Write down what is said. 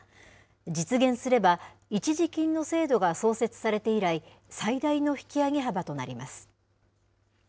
実現すれば、一時金の制度が創設されて以来、最大の引き上げ幅となります。